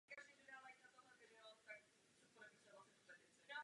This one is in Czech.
To je patrno z velmi mnohých českých příjmení z tehdejší doby.